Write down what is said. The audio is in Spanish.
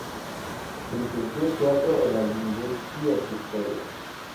Se licenció en Teatro en la University of Victoria.